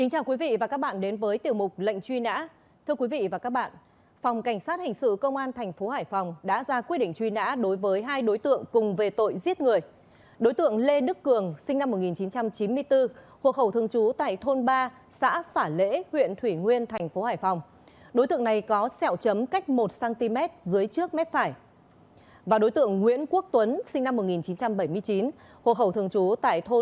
hãy đăng ký kênh để ủng hộ kênh của chúng mình nhé